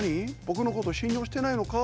僕のこと信用してないのか？